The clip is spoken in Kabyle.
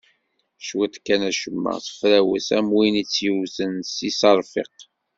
Cwiṭ kan acemma, tefrawes, am win itt-yewten s yiṣerfiq.